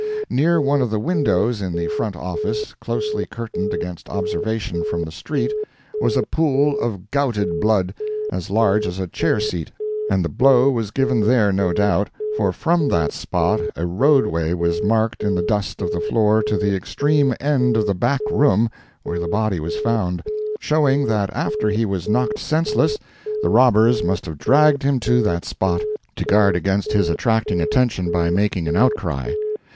Near one of the windows in the front office closely curtained against observation from the street—was a pool of gouted blood, as large as a chair seat; and the blow was given there, no doubt, for from that spot a roadway was marked in the dust of the floor to the extreme end of the back room where the body was found, showing that after he was knocked senseless, the robbers must have dragged him to that spot, to guard against his attracting attention by making an outcry.